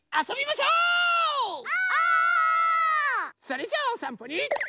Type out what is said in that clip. それじゃあおさんぽに。